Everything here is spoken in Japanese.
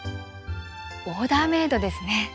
オーダーメイドですね。